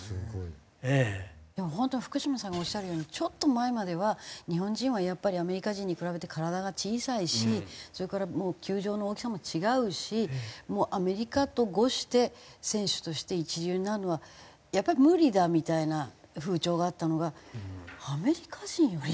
でも本当に福島さんがおっしゃるようにちょっと前までは日本人はやっぱりアメリカ人に比べて体が小さいしそれから球場の大きさも違うしアメリカと伍して選手として一流になるのはやっぱり無理だみたいな風潮があったのがアメリカ人よりすごい。